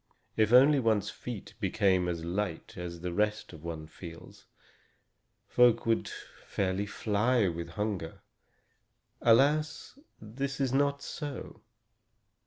If only one's feet became as light as the rest of one feels, folk could fairly fly with hunger. Alas! this is not so.